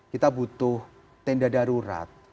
kita butuh tenda darurat